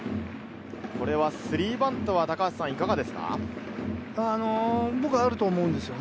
これが３バントはいかがですか？